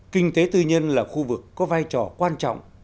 kinh tế tư nhân là khu vực có vai trò quan trọng